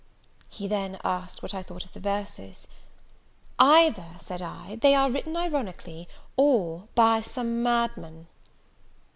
He then asked what I thought of the verses? "Either," said I, "they are written ironically, or by some madman."